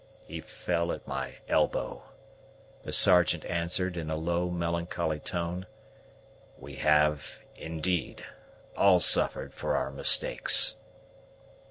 "He fell at my elbow," the Sergeant answered in a low melancholy tone. "We have, indeed, all suffered for our mistakes."